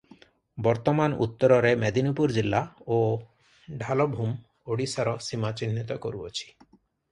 ବର୍ତ୍ତମାନ ଉତ୍ତରରେ ମେଦିନୀପୁର ଜିଲ୍ଲା ଓ ଢ଼ାଲଭୂମ ଓଡ଼ିଶାର ସୀମା ଚିହ୍ନିତ କରୁଅଛି ।